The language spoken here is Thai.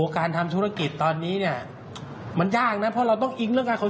การทำธุรกิจตอนนี้